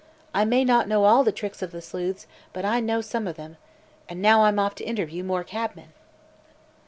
I may not know all the tricks of the sleuths, but I know some of them. And now I'm off to interview more cabmen."